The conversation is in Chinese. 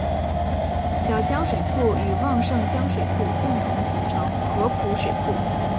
小江水库与旺盛江水库共同组成合浦水库。